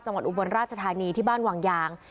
จังหวัดอุบวนราชธานีที่บ้านวางยาง